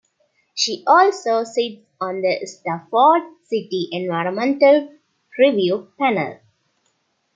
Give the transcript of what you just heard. She also sits on the Stratford City Environmental Review panel.